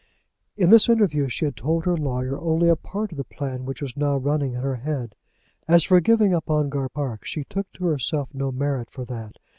In this interview she had told her lawyer only a part of the plan which was now running in her head. As for giving up Ongar Park, she took to herself no merit for that.